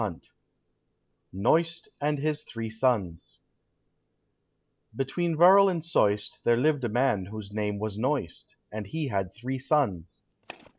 138 Knoist and his Three Sons Between Werrel and Soist there lived a man whose name was Knoist, and he had three sons.